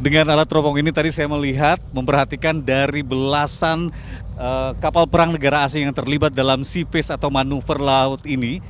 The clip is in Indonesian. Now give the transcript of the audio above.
dengan alat teropong ini tadi saya melihat memperhatikan dari belasan kapal perang negara asing yang terlibat dalam seapace atau manuver laut ini